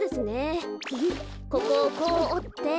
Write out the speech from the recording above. ここをこうおって。